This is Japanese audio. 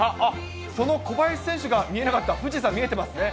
その小林選手が見えなかった富士山、見えてますね。